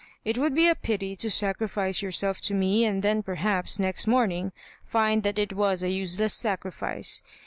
It would be a pity to sacrifice yourself to me, and then perhaps next morning find that it was a useless sacrifice.